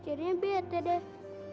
jadinya bete deh